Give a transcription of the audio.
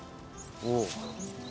おお。